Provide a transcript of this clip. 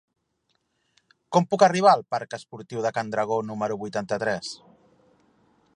Com puc arribar al parc Esportiu de Can Dragó número vuitanta-tres?